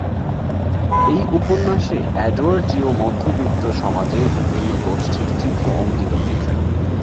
এই উপন্যাসে এডওয়ার্ডীয় মধ্যবিত্ত সমাজের বিভিন্ন গোষ্ঠীর চিত্র অঙ্কিত হয়েছে।